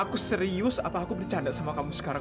aku serius apa aku bercanda sama kamu sekarang